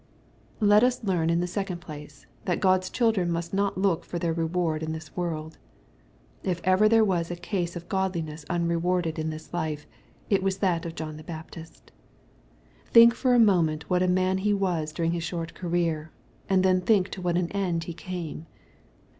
Let us learn, in the second place, that GocPs children must not look for their retoard in this world. If ever there was a case of godliness unrewarded in this life, it was that of John the Baptist. Think for a moment what a man he was during his short career, and then think to what an end he came.